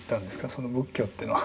その仏教っていうのは。